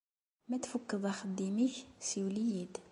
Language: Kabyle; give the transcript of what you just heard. Ma tfukkeḍ axeddim-ik siwel-iyi-d.